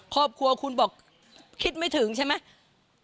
ครอบครัวคุณบอกคิดไม่ถึงใช่ไหม